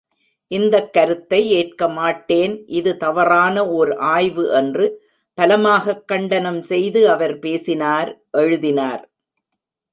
இந்தக் கருத்தை ஏற்கமாட்டேன் இது தவறான ஓர் ஆய்வு என்று பலமாகக் கண்டனம் செய்து அவர் பேசினார் எழுதினார்!